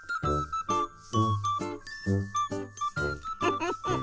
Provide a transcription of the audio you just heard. フフフフ。